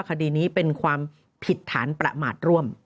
คดีนี้เป็นความผิดฐานประมาทร่วม